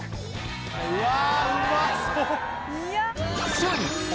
さらに鬼